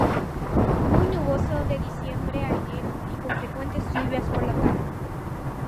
Muy nuboso de diciembre a enero y con frecuentes lluvias por la tarde.